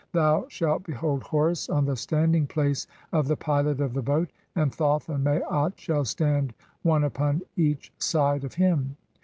Thou "shalt behold Horus on the standing place of the pilot of the "boat, and Thoth and Maat shall stand one upon each side of "him.